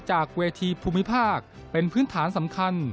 จากเวทีภูมิภาคเป็นพื้นฐานสำคัญ